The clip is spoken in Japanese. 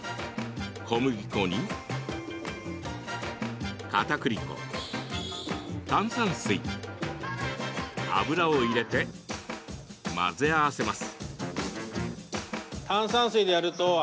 小麦粉にかたくり粉、炭酸水油を入れて混ぜ合わせます。